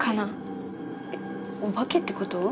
えっお化けって事？